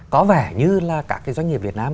có vẻ như là các cái doanh nghiệp việt nam